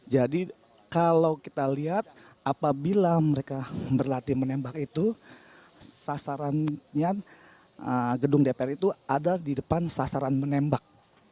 jadi kalau kita lihat apabila mereka berlatih menembak itu sasarannya gedung dpr itu ada di depan sasaran menembak